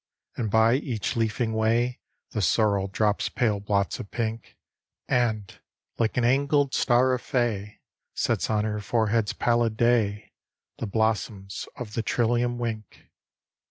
And by each leafing way The sorrel drops pale blots of pink; And, like an angled star a fay Sets on her forehead's pallid day, The blossoms of the trillium wink.